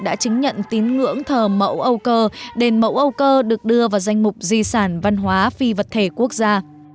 đã chứng nhận tín ngưỡng thờ mẫu âu cơ đền mẫu âu cơ được đưa vào danh mục di sản văn hóa phi vật thể quốc gia